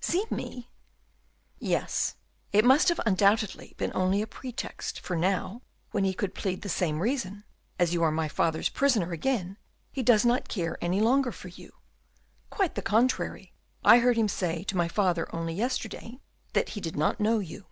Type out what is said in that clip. "See me?" "Yes, it must have undoubtedly been only a pretext for now, when he could plead the same reason, as you are my father's prisoner again, he does not care any longer for you; quite the contrary, I heard him say to my father only yesterday that he did not know you."